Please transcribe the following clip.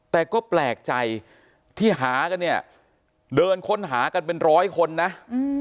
แต่ก็แปลกใจที่หากันเนี่ยเดินค้นหากันเป็นร้อยคนนะ